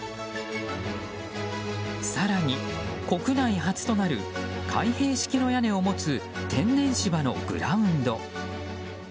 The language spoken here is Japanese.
更に国内初となる開閉式の屋根を持つ天然芝のグラウンド。